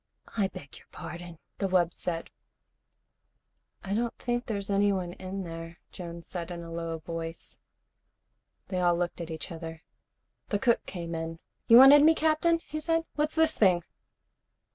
"I beg your pardon," the wub said. "I don't think there's anyone in there," Jones said in a low voice. They all looked at each other. The cook came in. "You wanted me, Captain?" he said. "What's this thing?"